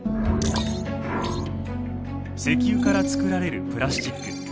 石油から作られるプラスチック。